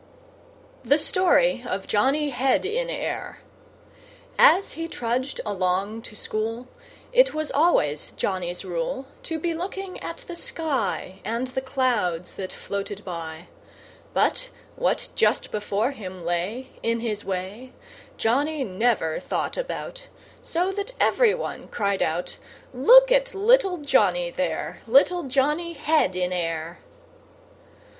The Story of Johnny Head in Air As he trudged along to school, It was always Johnny's rule To be looking at the sky And the clouds that floated by; But what just before him lay, In his way, Johnny never thought about; So that every one cried out "Look at little Johnny there, Little Johnny Head In Air!"